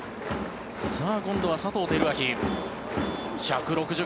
今度は佐藤輝明。